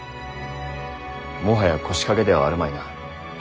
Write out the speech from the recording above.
もはや腰掛けではあるまいな？へ？